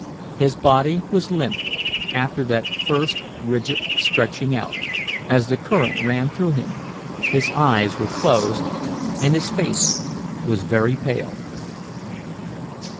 His body was limp, after that first rigid stretching out, as the current ran through him; his eyes were closed, and his face was very pale.